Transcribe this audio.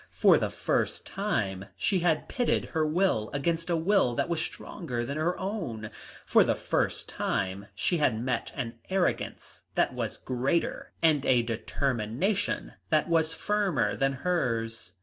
For the first time she had pitted her will against a will that was stronger than her own, for the first time she had met an arrogance that was greater and a determination that was firmer than hers.